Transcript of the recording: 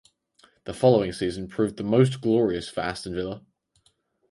The following season proved the most glorious for Aston Villa.